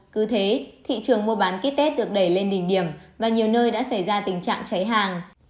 cứ thế thị trường mua bán kit tết được đẩy lên đỉnh điểm và nhiều nơi đã xảy ra tình trạng cháy hàng